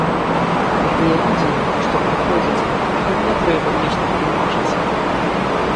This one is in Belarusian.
А тыя людзі, што прыходзяць, ім не трэба нешта тлумачыць.